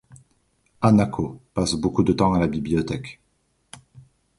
Hanako passe beaucoup de temps à la bibliothèque.